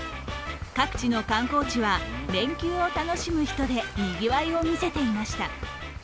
各地の観光地は、連休を楽しむ人でにぎわいを見せていました。